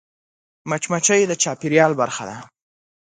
مچمچۍ د چاپېریال برخه ده